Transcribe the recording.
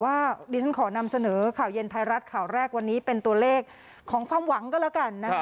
ดิฉันขอนำเสนอข่าวเย็นไทยรัฐข่าวแรกวันนี้เป็นตัวเลขของความหวังก็แล้วกันนะคะ